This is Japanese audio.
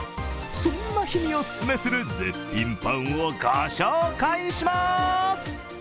そんな日におすすめする絶品パンをご紹介します。